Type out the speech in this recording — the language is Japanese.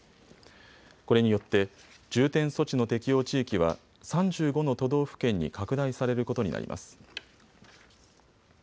これによって重点措置の適用地域は３５の都道府県に拡大されることになります。